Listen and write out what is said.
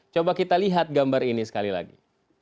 coba kita lihat gambar ini sekali lagi